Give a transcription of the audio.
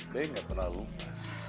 bay gak pernah lupa